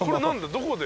どこで？